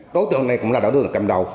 đối tượng này cũng là đối tượng cầm đầu